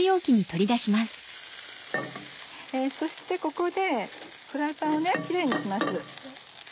そしてここでフライパンをキレイにします。